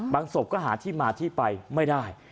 ศพก็หาที่มาที่ไปไม่ได้